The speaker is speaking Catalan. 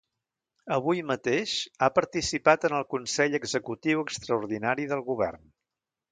Avui mateix ha participat en el consell executiu extraordinari del govern.